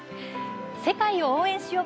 「世界を応援しよう！」